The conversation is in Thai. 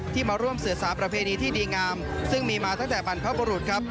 ที่มาร่วมเสือสาประเพณีที่ดีงามซึ่งมีมาตั้งแต่บรรพบรุษ